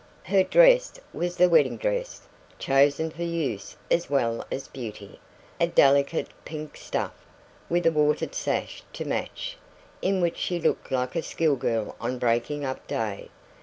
Her dress was the wedding dress chosen for use as well as beauty a delicate pink stuff, with a watered sash to match, in which she looked like a school girl on breaking up day.